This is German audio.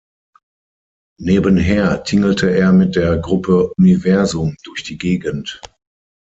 Nebenher tingelte er mit der Gruppe "Universum" durch die Gegend.